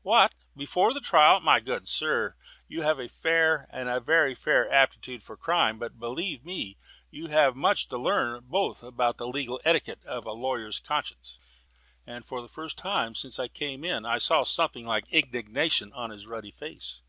"What, before the trial? My good sir, you have a fair, a very fair, aptitude for crime, but believe me, you have much to learn both of legal etiquette and of a lawyer's conscience." And for the first time since I came in I saw something like indignation on his ruddy face.